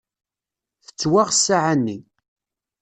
Tettwaɣ ssaɛa-nni.